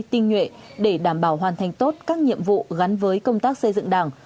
tinh nhuệ để đảm bảo hoàn thành tốt các nhiệm vụ gắn với công tác xây dựng đảng